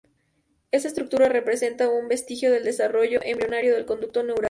Esta estructura representa un vestigio del desarrollo embrionario del conducto neural.